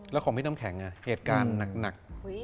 แล้วของพี่น้ำแข็งเหตุการณ์หนัก